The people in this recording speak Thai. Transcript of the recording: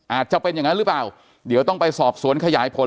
อาจจะเป็นอย่างนั้นหรือเปล่าเดี๋ยวต้องไปสอบสวนขยายผล